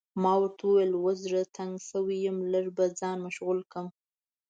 ما ورته وویل اوس زړه تنګ شوی یم، لږ به ځان مشغول کړم.